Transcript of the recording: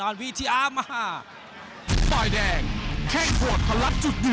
สวัสดีครับ